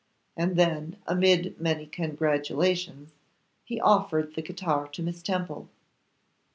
And then, amid many congratulations, he offered the guitar to Miss Temple.